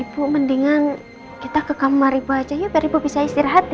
ibu mendingan kita ke kamar ibu aja ya biar ibu bisa istirahat